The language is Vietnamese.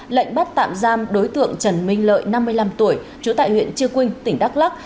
lệnh bắt tạm giam đối tượng trần minh lợi năm mươi năm tuổi trú tại huyện chư quynh tỉnh đắk lắc